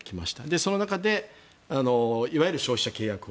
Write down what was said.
その中でいわゆる消費者契約法